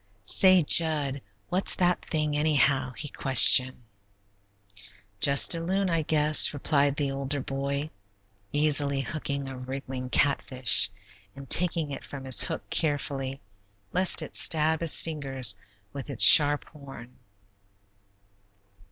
"Say, Jud, what's that thing, anyhow?" he questioned. "Just a loon, I guess," replied the older boy, easily, hooking a wriggling catfish, and taking it from his hook carefully, lest it stab his fingers with its sharp horn.